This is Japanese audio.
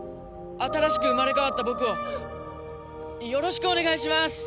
新しく生まれ変わった僕をよろしくお願いします！